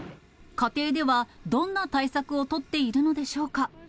家庭ではどんな対策を取っているのでしょうか。